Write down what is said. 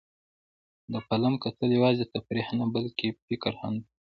د فلم کتل یوازې تفریح نه، بلکې فکر هم دی.